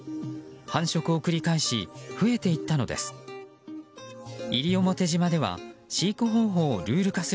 繁殖を繰り返し増えていったのです。